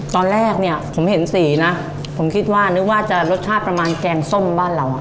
ตอนแรกเนี่ยผมเห็นสีนะผมคิดว่านึกว่าจะรสชาติประมาณแกงส้มบ้านเราอ่ะ